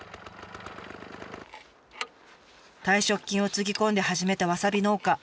退職金をつぎ込んで始めたわさび農家。